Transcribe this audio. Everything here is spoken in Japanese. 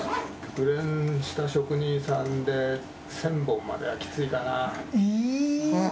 熟練した職人さんで１０００本まではきついかな。